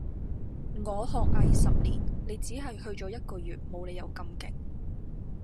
我學藝十年，你只係去咗一個月，冇理由咁勁